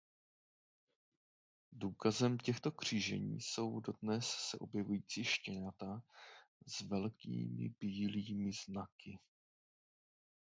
Důkazem těchto křížení jsou dodnes se objevující štěňata s velkými bílými znaky.